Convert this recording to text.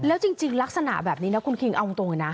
แล้วจริงลักษณะแบบนี้นะคุณคิงเอาตรงเลยนะ